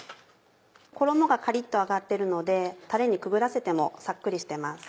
衣がカリっと揚がってるのでタレにくぐらせてもさっくりしてます。